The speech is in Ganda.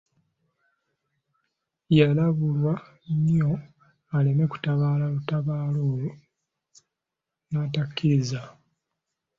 Yalabulwa nnyo aleme kutabaala lutabaalo olwo n'atakkiriza.